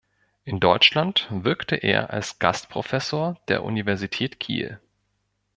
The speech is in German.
In Deutschland wirkte er als Gastprofessor der Universität Kiel.